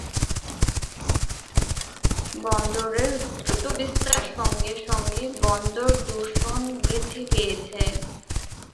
বন্দরের দ্রুত বিস্তার সঙ্গে সঙ্গে বন্দর দূষণ বৃদ্ধি পেয়েছে।